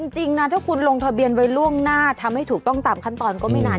จริงนะถ้าคุณลงทะเบียนไว้ล่วงหน้าทำให้ถูกต้องตามขั้นตอนก็ไม่นาน